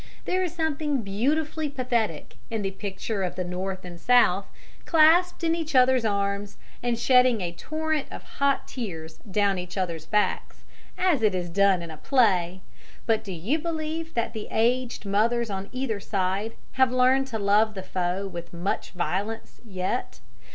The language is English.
There is something beautifully pathetic in the picture of the North and the South clasped in each other's arms and shedding a torrent of hot tears down each other's backs as it is done in a play, but do you believe that the aged mothers on either side have learned to love the foe with much violence yet?